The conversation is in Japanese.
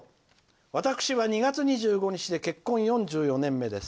「私は２月２５日で結婚４４年目です」。